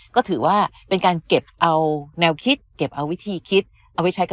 ก็ถือว่าเป็นการเก็บเอาแนวคิดเก็บเอาวิธีคิดเอาไว้ใช้กับ